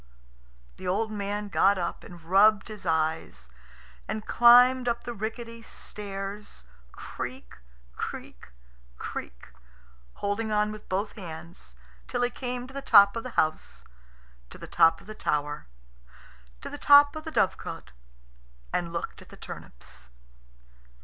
The old man got up and rubbed his eyes, and climbed up the rickety stairs, creak, creak, creak, holding on with both hands, till he came to the top of the house, to the top of the tower, to the top of the dovecot, and looked at the turnips.